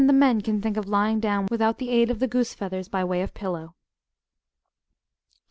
the men can think of lying down without the aid of the goose's feathers, by way of pillow. CHAP.